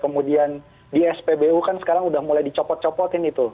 kemudian di spbu kan sekarang udah mulai dicopot copotin itu